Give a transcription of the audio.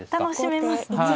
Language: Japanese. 楽しめますね。